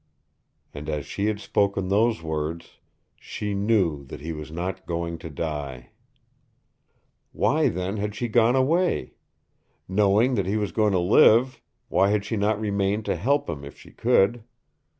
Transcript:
And as she had spoken those words SHE KNEW THAT HE WAS NOT GOING TO DIE! Why, then, had she gone away? Knowing that he was going to live, why had she not remained to help him if she could?